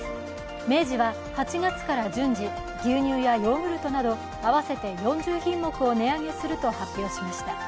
明治は８月から順次、牛乳やヨーグルトなど合わせて４０品目を値上げすると発表しました。